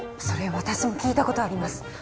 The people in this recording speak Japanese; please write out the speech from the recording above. それ私も聞いたことあります